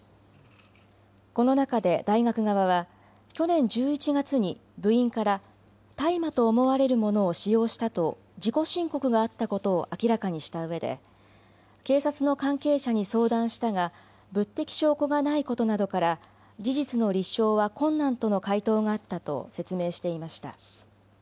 この中で大学側は、去年１１月に部員から大麻と思われるものを使用したと自己申告があったことを明らかにしたうえで警察の関係者に相談したが物的証拠がないことなどから事実の立証は困難との回答があったと説明していました。